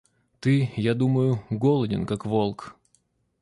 Ты, я думаю, голоден, как волк.